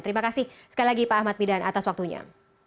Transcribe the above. terima kasih sekali lagi pak ahmad bidan atas waktunya